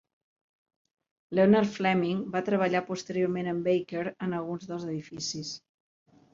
Leonard Fleming va treballar posteriorment amb Baker en alguns dels edificis.